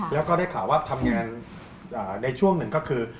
แล้วก็ได้ข่าวว่าทำงานในช่วงหนึ่งก็คือ